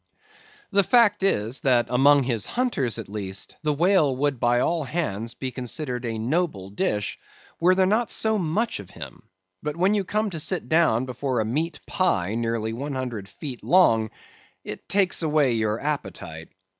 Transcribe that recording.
The fact is, that among his hunters at least, the whale would by all hands be considered a noble dish, were there not so much of him; but when you come to sit down before a meat pie nearly one hundred feet long, it takes away your appetite.